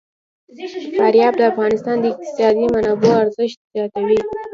فاریاب د افغانستان د اقتصادي منابعو ارزښت زیاتوي.